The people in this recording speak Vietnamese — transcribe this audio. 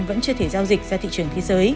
vẫn chưa thể giao dịch ra thị trường